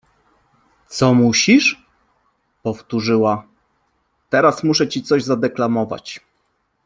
— Coo musisz? Powtórzyła: — Teraz muszę ci coś zadeklamować.